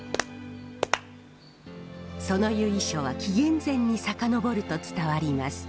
その由緒は紀元前に遡ると伝わります。